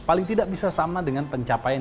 paling tidak bisa sama dengan pencapaian